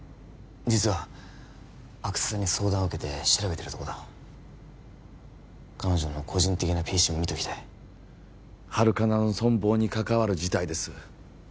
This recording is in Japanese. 実は阿久津さんに相談を受けて調べてるとこだ彼女の個人的なＰＣも見ときたいハルカナの存亡に関わる事態です